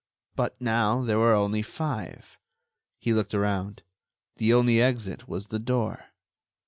But now there were only five! He looked around.... The only exit was the door.